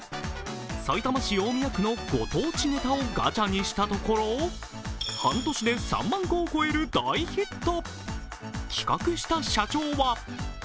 さいたま市大宮区のご当地ネタをガチャにしたところ、半年で３万個を超える大ヒット。